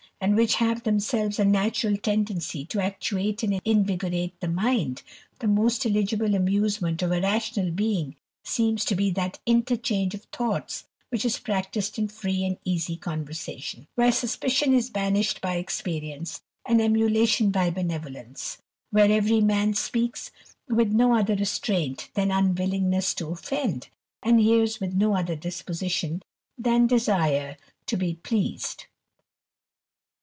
and which have themselves a natural tendency to actuati and invigorate the mind, the most eligible amusement of i rational being seems to be that interchange of thoughH which is practised in free and easy conversation ; frfiere suspicion is banished by experience, and emulation b] benevolence ; where every man speaks with no otha restraint than unwillingness to offend, and hears with M other disposition than desire to be pleased.